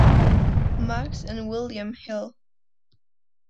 Maxx and William Hill.